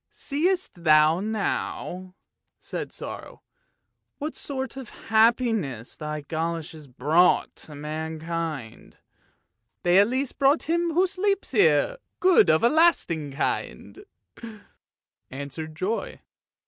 " Seest thou now," said Sorrow, " what sort of happiness thy goloshes brought to mankind! " THE GOLOSHES OF FORTUNE 333 " They at least brought him who sleeps here, good of a lasting kind," answered Joy.